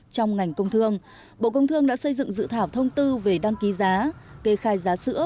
trong ngành công thương bộ công thương đã xây dựng dự thảo thông tư về đăng ký giá kê khai giá sữa